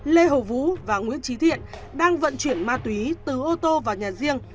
lê hồ vũ và nguyễn trí thiện đang vận chuyển ma túy từ ô tô vào nhà riêng